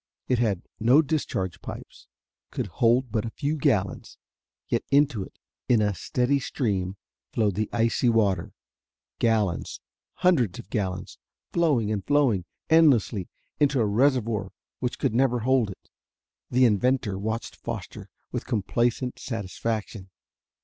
It had no discharge pipes, could hold but a few gallons. Yet into it, in a steady stream, flowed the icy water. Gallons, hundreds of gallons, flowing and flowing, endlessly, into a reservoir which could never hold it. The inventor watched Foster with complacent satisfaction.